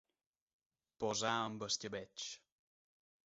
Posar amb escabetx.